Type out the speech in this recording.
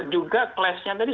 juga class nya tadi